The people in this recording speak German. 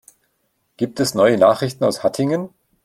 Gibt es neue Nachrichten aus Hattingen?